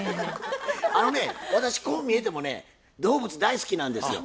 あのね私こう見えてもね動物大好きなんですよ。